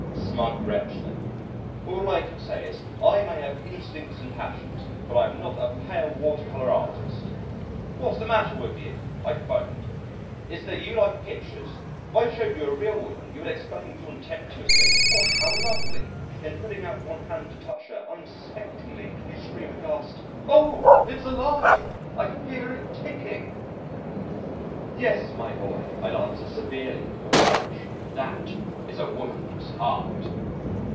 "Smug wretch, then. All I can say is, I may have instincts and passions but I am not a pale water colour artist.... What's the matter with you," I foamed, "is that you like pictures. If I showed you a real woman, you would exclaim contemplatively, 'How lovely;' then putting out one hand to touch her, unsuspectingly, you'd scream aghast, 'Oh! it's alive, I hear it ticking.' 'Yes, my boy,' I answer severely with a flourish, 'That is a woman's heart.'"